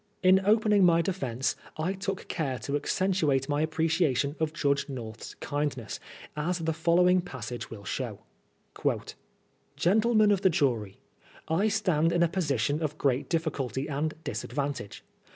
In opening my defence I took care to accentuate my appreciation of Judge North's kindness, as the follow ing passage will show :—" Gentlemen of the Jury, — I stand in a position of great diflSculty and disadvantage.